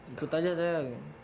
ikut aja saya